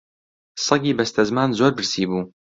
سەگی بەستەزمان زۆر برسی بوو